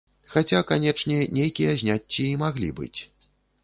Хаця, канечне, нейкія зняцці і маглі быць.